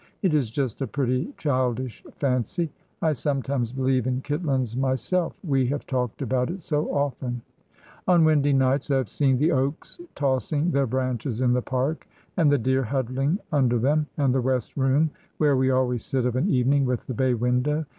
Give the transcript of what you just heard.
It is just a pretty, childish fancy. I sometimes believe in Kitlands myself, we have talked about it so often. On windy nights I have seen the oaks tossing their branches in the park, and the deer huddling under them, and the west room where we always sit of an evening, with the bay window.